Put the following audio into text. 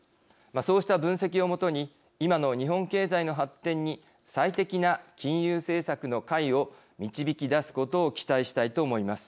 そうした分析を基に今の日本経済の発展に最適な金融政策の解を導き出すことを期待したいと思います。